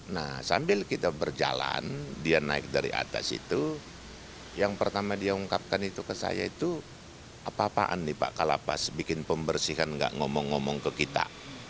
nah sambil kita berjalan dia naik dari atas itu yang pertama dia ungkapkan itu ke saya itu apa apaan nih pak kalapas bikin pembersihan enggak ngomong ngomong ke kita